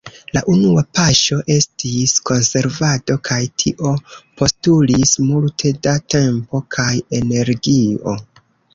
La unua paŝo estis konservado, kaj tio postulis multe da tempo kaj energio.